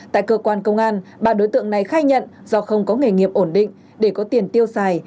tại cơ quan công an ba đối tượng này khai nhận do không có nghề nghiệp ổn định để có tiền tiêu xài